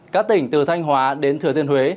các tỉnh từ thanh hóa đến thừa thiên huế